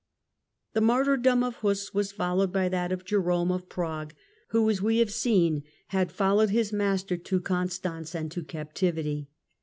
The martyrdom of Huss was followed by that of Trial and Jerome of Prague, who as we have seen had followed of Jerome his master to Constance and to captivity.